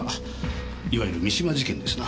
いわゆる三島事件ですな。